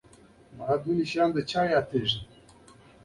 ذهني، اخلاقي او ټولنیزې ځانګړنې روزنه مومي.